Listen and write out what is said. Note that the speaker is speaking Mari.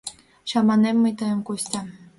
— Чаманем мый тыйым, Костя.